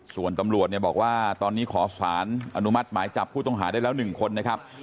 ส่วนตำรวจเนี่ยบอกว่าตอนนี้ขอสารอนุมัติหมายจับผู้ต้องหาได้แล้ว๑คนนะครับ